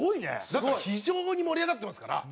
だから非常に盛り上がってますから。